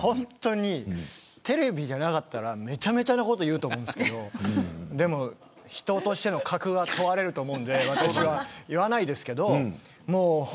テレビじゃなかったらめちゃくちゃなことを言うと思うんですけど人としての格は問われると思うので私は言わないですけど。